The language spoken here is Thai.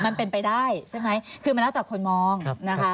มันเป็นไปได้ใช่ไหมคือมันแล้วจากคนมองนะคะ